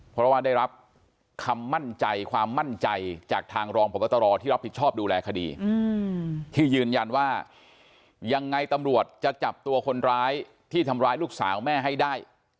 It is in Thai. เพราะว่าได้รับคำมั่นใจความมั่นใจจากทางรองพบตรที่รับผิดชอบดูแลคดีที่ยืนยันว่ายังไงตำรวจจะจับตัวคนร้ายที่ทำร้ายลูกสาวแม่ให้ได้